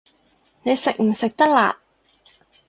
你食唔食得辣